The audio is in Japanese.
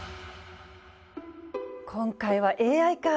今回はＡＩか。